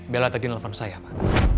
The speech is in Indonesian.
bella tadi nelfon saya pak